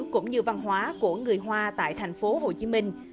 cũng như văn hóa của người hoa tại thành phố hồ chí minh